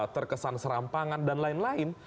terkesan serampangan dan lain lain